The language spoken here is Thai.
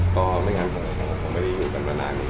ก็ไม่งั้นผมไม่ได้อยู่กันมานาน